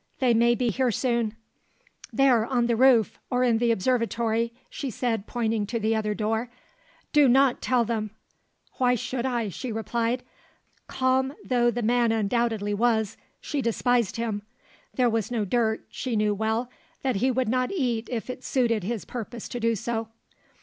They may be here soon." "There on the roof, or in the observatory," she said pointing to the other door. "Do not tell them." "Why should I?" she replied. Calm though the man undoubtedly was, she despised him; there was no dirt, she knew well, that he would not eat if it suited his purpose to do so.